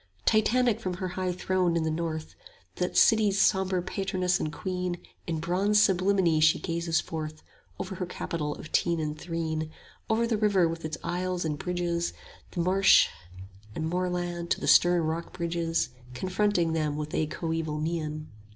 70 Titanic from her high throne in the north, That City's sombre Patroness and Queen, In bronze sublimity she gazes forth Over her Capital of teen and threne, Over the river with its isles and bridges, 75 The marsh and moorland, to the stern rock bridges, Confronting them with a coeval mien.